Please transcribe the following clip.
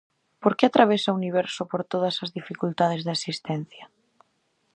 Por que atravesa o universo por todas as dificultades da existencia?